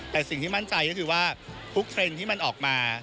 แต่สิ่งที่มั่นใจก็คือว่าทุกเทรนด์ที่มันออกมา